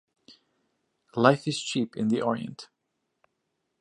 Life is cheap in the Orient.